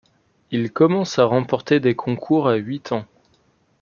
Il commence à remporter des concours à huit ans.